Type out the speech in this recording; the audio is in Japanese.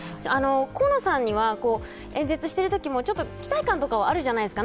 河野さんには、演説しているときも期待感とかあるじゃないですか。